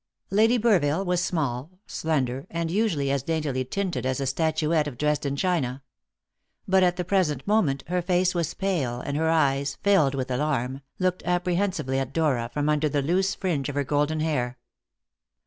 Lady Burville was small, slender, and usually as daintily tinted as a statuette of Dresden china. But at the present moment her face was pale, and her eyes, filled with alarm, looked apprehensively at Dora from under the loose fringe of her golden hair.